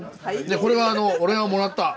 これは俺がもらった！